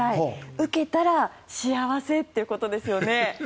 受けたら、「歯あわせ」ということですよね。